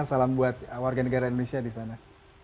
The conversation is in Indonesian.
salam buat warga negara indonesia disana